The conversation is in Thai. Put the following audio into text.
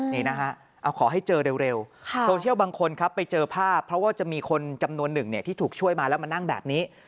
นี่นะฮะเอาขอให้เจอเร็วโซเชียลบางคนครับไปเจอภาพเพราะว่าจะมีคนจำนวนหนึ่งที่ถูกช่วยมาแล้วมานั่งแบบนี้